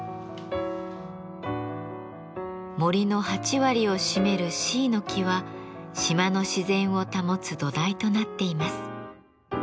森の８割を占めるシイの木は島の自然を保つ土台となっています。